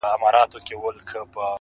نه خبر په پاچهي نه په تدبير وو،